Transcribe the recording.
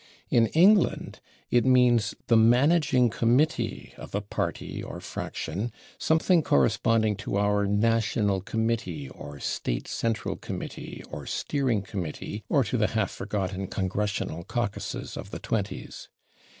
In England it means the managing committee of a party or fraction something corresponding to our national committee, or state central committee, or steering committee, or to the half forgotten congressional caucuses of the 20's.